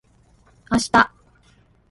明日